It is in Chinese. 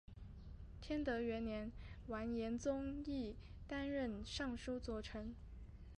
天德元年完颜宗义担任尚书左丞。